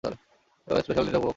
এবার স্পেশাল দিনটা উপভোগ করা যাক।